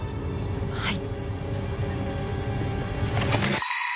はい。